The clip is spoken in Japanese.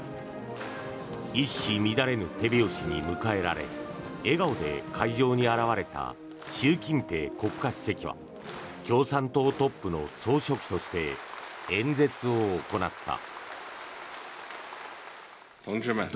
一糸乱れぬ手拍子に迎えられ笑顔で会場に現れた習近平国家主席は共産党トップの総書記として演説を行った。